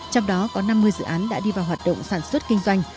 trong đó có năm mươi dự án đã đi vào hoạt động sản xuất kinh doanh